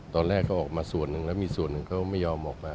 ตอนแรกเขาออกมาส่วนหนึ่งแล้วมีส่วนหนึ่งเขาไม่ยอมออกมา